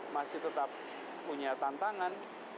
masih tetap punya tantangan